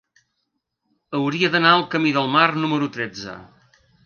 Hauria d'anar al camí del Mar número tretze.